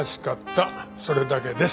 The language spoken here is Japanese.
それだけです。